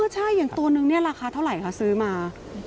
ใช่อย่างตัวนึงเนี่ยราคาเท่าไหร่คะซื้อมา